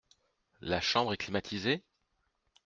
La chambre est climatisée ?